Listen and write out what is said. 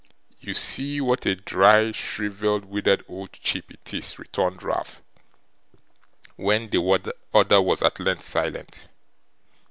'You see what a dry, shrivelled, withered old chip it is,' returned Ralph, when the other was at length silent.